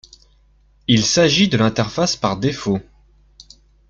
Il s'agit de l'interface par défaut.